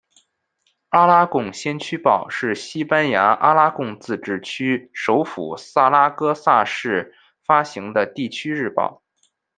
阿拉贡先驱报是西班牙阿拉贡自治区首府萨拉戈萨市发行的地区日报。